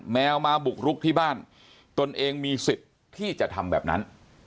แมวมาบุกรุกที่บ้านตนเองมีสิทธิ์ที่จะทำแบบนั้น